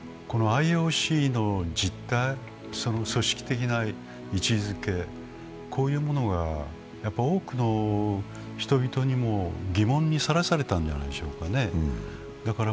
ＩＯＣの実態、組織的な位置づけ、こういうものが多くの人々にも疑問にさらされたんじゃないでしょうか。